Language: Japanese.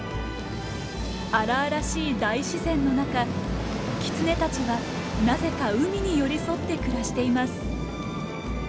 荒々しい大自然の中キツネたちはなぜか海に寄り添って暮らしています。